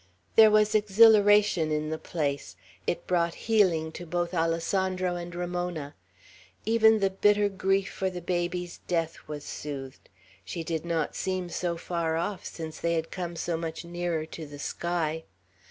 There was exhilaration in the place. It brought healing to both Alessandro and Ramona. Even the bitter grief for the baby's death was soothed. She did not seem so far off, since they had come so much nearer to the sky.